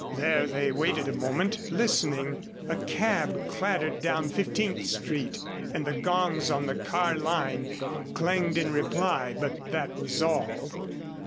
There they waited a moment, listening. A cab clattered down Fifteenth Street, and the gongs on the car line clanged in reply, but that was all.